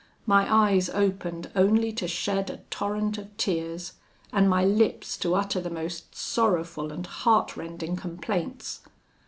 My eyes opened only to shed a torrent of tears, and my lips to utter the most sorrowful and heartrending complaints.